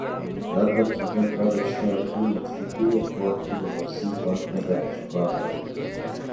درحقیقت ہر رشتہ ہی مطلبی اور خودغرض بن کر رہ چکا ہے